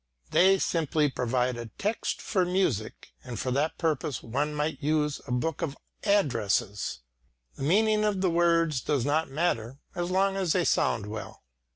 They simply provide a text for music, and for that purpose one might use a book of addresses. The meaning of the words does not matter, as long as they sound well.